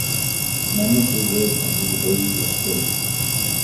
Mehmet would wait until the baby was safe.